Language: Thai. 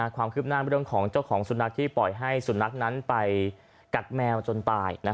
ความคืบหน้าเรื่องของเจ้าของสุนัขที่ปล่อยให้สุนัขนั้นไปกัดแมวจนตาย